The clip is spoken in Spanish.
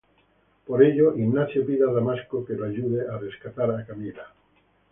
Por ello, Ignacio pide a Damasco que lo ayude a rescatar a Camila.